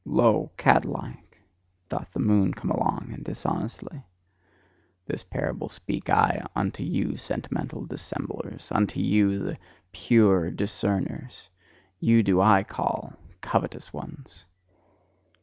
Lo! cat like doth the moon come along, and dishonestly. This parable speak I unto you sentimental dissemblers, unto you, the "pure discerners!" You do I call covetous ones!